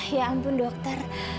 ya ampun dokter